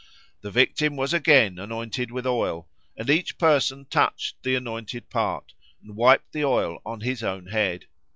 The victim was again anointed with oil, and each person touched the anointed part, and wiped the oil on his own head.